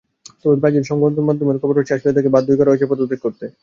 তবে ব্রাজিল সংবাদমাধ্যমের খবর হচ্ছে, আসলে তাঁকে বাধ্যই করা হয়েছে পদত্যাগ করতে।